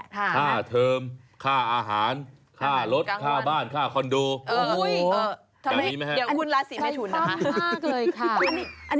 อันนี้เด็กได้โอกาสทางความรักหรือเปล่า